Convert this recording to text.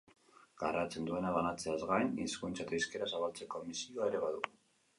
Garraiatzen duena banatzeaz gain, hizkuntza eta hizkera zabaltzeko misioa ere badu.